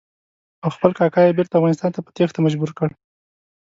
او خپل کاکا یې بېرته افغانستان ته په تېښته مجبور کړ.